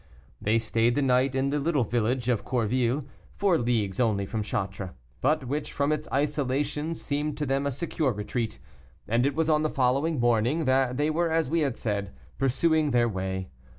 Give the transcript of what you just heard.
They stayed the night in the little village of Courville four leagues only from Chartres, but which from its isolation seemed to them a secure retreat; and it was on the following morning that they were, as we said, pursuing their way.